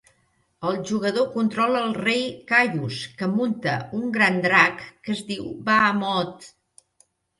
El jugador controla el rei Kayus, que munta un gran drac que es diu Bahamoot.